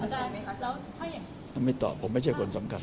อเจมส์ไม่ตอบผมไม่ใช่คนสำคัญ